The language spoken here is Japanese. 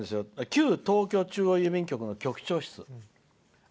旧東京中央郵便局の局長室。